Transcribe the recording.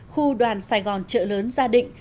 khu đoàn sài gòn trợ lớn gia định